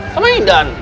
sama ini dan